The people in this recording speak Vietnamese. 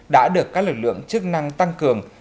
đã được các lực lượng chức năng tăng cường